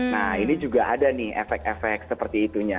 nah ini juga ada nih efek efek seperti itunya